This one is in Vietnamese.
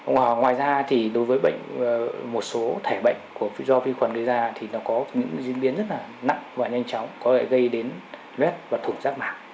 ngoài ra thì đối với một số thể bệnh do vi khuẩn đưa ra thì nó có những diễn biến rất là nặng và nhanh chóng có lẽ gây đến vết và thủng rác mạng